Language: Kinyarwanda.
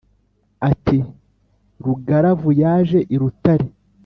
ati : rugaravu yaje i rutare